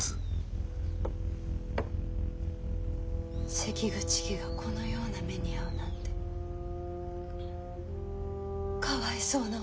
関口家がこのような目に遭うなんてかわいそうなお瀬名様。